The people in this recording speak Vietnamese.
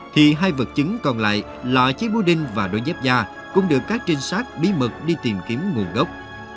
thì hai vật chứng còn lại là chiếc bú đinh và đôi dép da cũng được các trinh sát bí mật đi tìm kiếm nguồn gốc